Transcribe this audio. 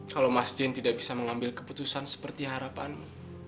kalau mazen tidak bisa mengambil keputusan seperti harapanmu